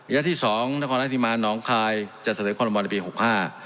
และที่สองนครรัฐิมาน้องคลายจะเสร็จความรับมอบในปีหกห้า